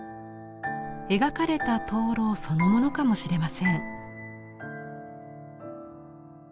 描かれた燈籠そのものかもしれません。